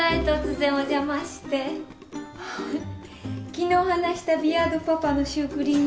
昨日話したビアードパパのシュークリーム。